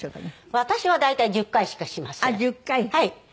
私は大体１０回しかしません。